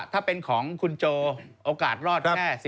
ถ้าเป็นของคุณโจโอกาสรอดแค่